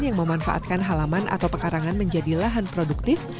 yang memanfaatkan halaman atau pekarangan menjadi lahan produktif